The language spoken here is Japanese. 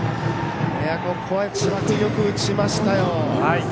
ここは千葉君よく打ちましたよ。